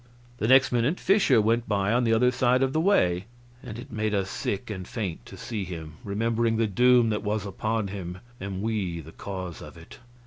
The next minute Fischer went by on the other side of the way, and it made us sick and faint to see him, remembering the doom that was upon him, and we the cause of it.